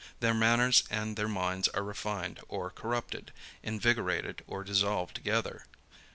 Their manners and their minds are refined or corrupted, invigorated or dissolved together.